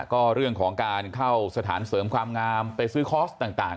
ก็เรื่องของการเข้าสถานเสริมความงามไปซื้อคอร์สต่าง